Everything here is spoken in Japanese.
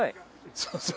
そうそう。